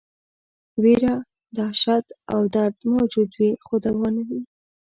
ویره، دهشت او درد موجود وي خو دوا نه وي.